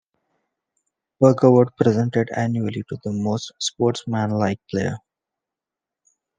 Pugh Award presented annually to the most sportsmanlike player.